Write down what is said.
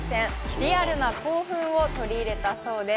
リアルな興奮を取り入れたそうです。